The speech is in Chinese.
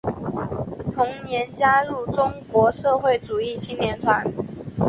同年加入中国社会主义青年团。